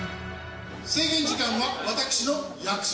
制限時間は私の『約束』。